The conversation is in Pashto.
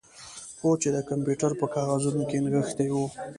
هو چې د کمپیوټر په کاغذونو کې نغښتې وه